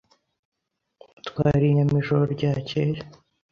Twariye inyama ijoro ryakeye.